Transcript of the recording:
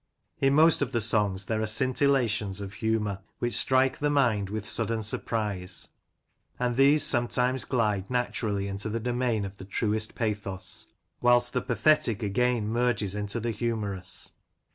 In most of the Songs there are scintillations of humour 30 Lancashire Characters and Places, which strike the mind with sudden surprise; and these sometimes glide naturally into the domain of the truest pathos, whilst the pathetic again merges into the humorous.